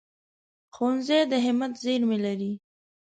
ښوونځی د همت زېرمې لري